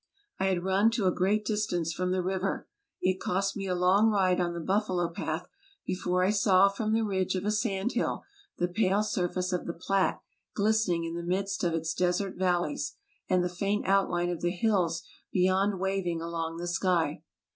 I had run to a great distance from the river. It cost me a long ride on the buffalo path before I saw from the ridge of a sand hill the pale surface of the Platte glistening in the midst of its desert valleys, and the faint outline of the hills beyond waving along the sky.